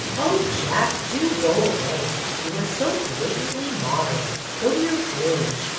" Oh, Jack, do go away. You are so blatantly modern. Go to your bridge."